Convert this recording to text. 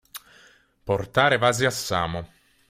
Portare vasi a Samo.